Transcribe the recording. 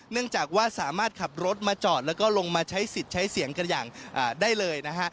เนื่องจากว่าสามารถขับรถมาจอดแล้วก็ลงมาใช้สิทธิ์ใช้เสียงกันอย่างได้เลยนะฮะ